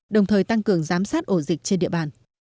đồng thời tăng cường giám sát ổ dịch trên địa bàn